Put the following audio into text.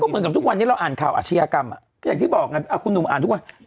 เหมือนกับทุกวันนี้เราอ่านข่าวอาชญากรรมก็อย่างที่บอกไงคุณหนุ่มอ่านทุกวัน